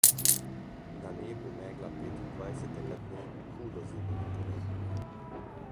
Na nebu megla petindvajsetega dne hudo zimo napove.